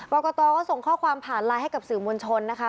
กรกตก็ส่งข้อความผ่านไลน์ให้กับสื่อมวลชนนะคะ